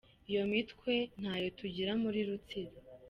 Iyo mitwe ntayo tugira muri Rutsiro.